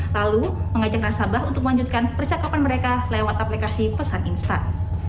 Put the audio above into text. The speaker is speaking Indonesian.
lalu mengajak nasabah untuk melanjutkan percakapan mereka lewat aplikasi pesan instan